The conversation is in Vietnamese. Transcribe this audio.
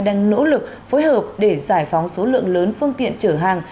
đang nỗ lực phối hợp để giải phóng số lượng lớn phương tiện chở hàng